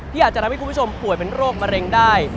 อาจจะทำให้คุณผู้ชมป่วยเป็นโรคมะเร็งได้